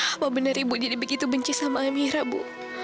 apa benar ibu jadi begitu benci sama amira bu